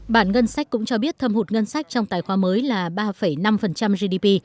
bản ngân sách cũng cho biết thâm hụt ngân sách trong tài khoá mới là ba năm gdp